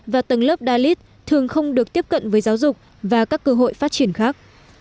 và tầng lớp dalit thường không được tiếp cận với giáo dục và các cơ hội phát triển khác